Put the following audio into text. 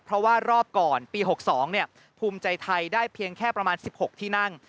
เพราะว่ารอบก่อนปี๖๒ภูมิใจไทยได้เพียงแค่ประมาณ๑๖ที่นั่ง